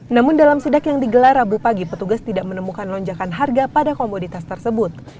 namun dalam sidak yang digelar rabu pagi petugas tidak menemukan lonjakan harga pada komoditas tersebut